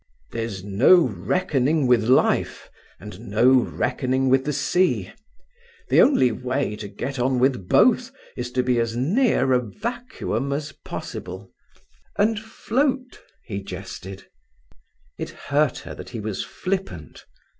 "There's no reckoning with life, and no reckoning with the sea. The only way to get on with both is to be as near a vacuum as possible, and float," he jested. It hurt her that he was flippant.